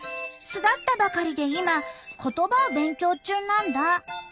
巣立ったばかりで今言葉を勉強中なんだ。